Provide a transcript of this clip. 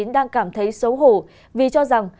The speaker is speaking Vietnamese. đang cảm thấy xấu hổ vì cho rằng